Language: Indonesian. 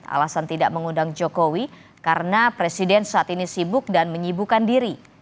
alasan tidak mengundang jokowi karena presiden saat ini sibuk dan menyibukan diri